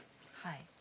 はい。